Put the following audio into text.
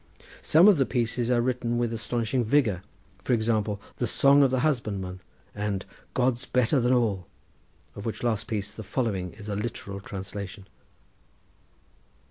Some of the pieces are written with astonishing vigour, for example, "The Song of the Husbandman," and "God's Better than All," of which last piece the following is a literal translation.